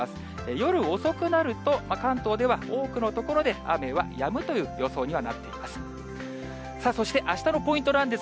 夜遅くなると、関東では多くの所で雨はやむという予想にはなっています。